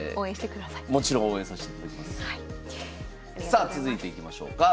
さあ続いていきましょうか。